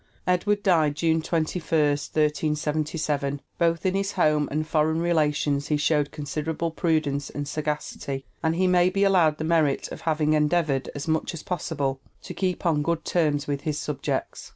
Edward died June 21, 1377. Both in his home and foreign relations he showed considerable prudence and sagacity, and he may be allowed the merit of having endeavored as much as possible to keep on good terms with his subjects.